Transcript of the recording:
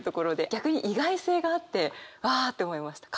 逆に意外性があってわあって思いました。